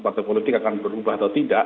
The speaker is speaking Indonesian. partai politik akan berubah atau tidak